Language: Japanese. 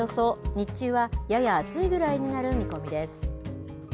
日中はやや暑いぐらいになる見込みです。